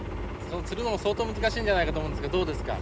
釣るのも相当難しいんじゃないかと思うんですけどどうですか？